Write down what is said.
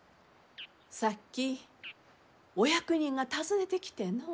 さっきお役人が訪ねてきてのう。